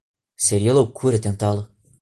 Seria loucura tentá-lo